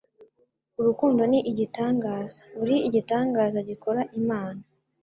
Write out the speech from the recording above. Urukundo ni igitangaza Uri igitangaza gikora Imana